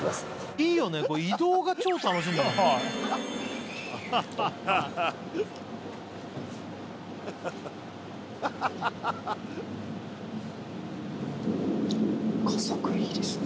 いいよね、移動が超楽しいんだもんね。